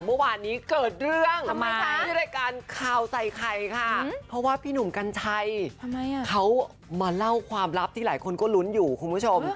เมื่อวานนี้เกิดเรื่องที่รายการข่าวใส่ไข่ค่ะเพราะว่าพี่หนุ่มกัญชัยเขามาเล่าความลับที่หลายคนก็ลุ้นอยู่คุณผู้ชม